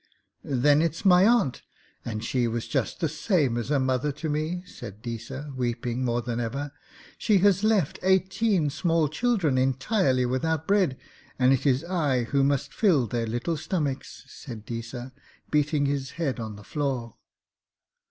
'Then it's my aunt, and she was just the same as a mother to me,' said Deesa, weeping more than ever. 'She has left eighteen small children entirely without bread, and it is I who must fill their little stomachs,' said Deesa, beating his head on the floor.